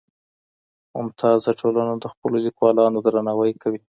ممتازه ټولنه د خپلو ليکوالانو درناوی کوي.